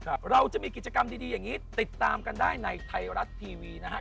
เราจะมีกิจกรรมดีดีอย่างนี้ติดตามกันได้ในไทยรัฐทีวีนะครับ